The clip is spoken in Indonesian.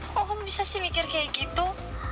kok om bisa sih mikir kayak gitu